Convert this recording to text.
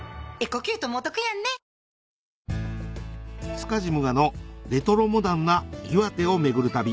塚地武雅のレトロモダンな岩手を巡る旅